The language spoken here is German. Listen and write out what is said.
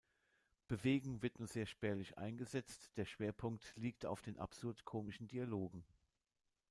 Bewegung wird nur sehr spärlich eingesetzt, der Schwerpunkt liegt auf den absurd-komischen Dialogen.